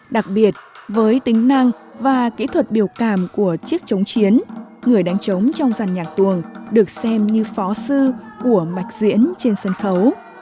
đặc biệt với tính năng và kỹ thuật biểu cảm của chiếc chống chiến người đánh trống trong giàn nhạc tuồng được xem như phó sư của mạch diễn trên sân khấu